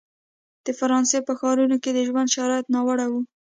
د فرانسې په ښارونو کې د ژوند شرایط ناوړه وو.